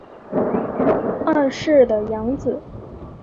二世的养子。